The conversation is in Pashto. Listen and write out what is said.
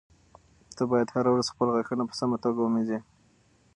ته باید هره ورځ خپل غاښونه په سمه توګه ومینځې.